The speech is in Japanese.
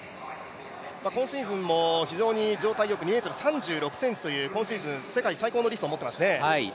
今シーズンも非常に状態よく２ｍ３６ｃｍという今シーズン世界最高を持っていますね。